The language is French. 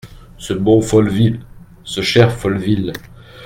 Ce bon Folleville !… ce cher Folleville !